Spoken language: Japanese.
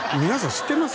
知ってます？